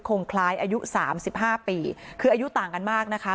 คงคล้ายอายุ๓๕ปีคืออายุต่างกันมากนะคะ